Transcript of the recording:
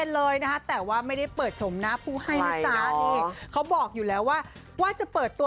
เลยนะคะแต่ว่าไม่ได้เปิดชมหน้าผู้ให้นะจ๊ะนี่เขาบอกอยู่แล้วว่าว่าจะเปิดตัว